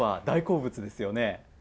大好物ですよね。